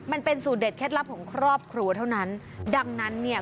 มันเป็นสูตรเด็ดเคล็ดลับของครอบครัวเท่านั้นดังนั้นเนี่ย